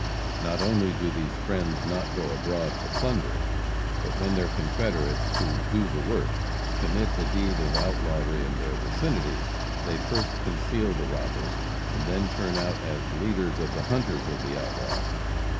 Not only do these "friends" not go abroad to plunder, but when their confederates who "do the work" commit a deed of outlawry in their vicinity, they first conceal the robbers, and then turn out as leaders of the hunters of the outlaws.